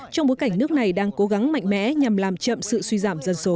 trong bối cảnh nước này đang cố gắng mạnh mẽ nhằm làm chậm sự suy giảm dân số